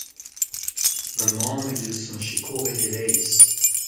Ma mamm he deus ma sikouret e-leizh.